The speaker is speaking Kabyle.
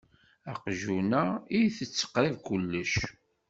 Aqjun-a itett qrib kullec.